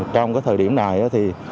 trong cái thời điểm này thì